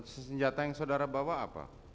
senjata yang saudara bawa apa